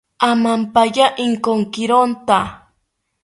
Amampaya Inkokironta